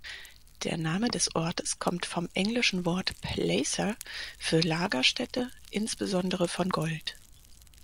Der Name des Ortes kommt vom englischen Wort "placer" für Lagerstätte, insbesondere von Gold.